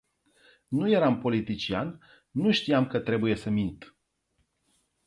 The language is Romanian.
Nu eram politician, nu știam că trebuie să mint.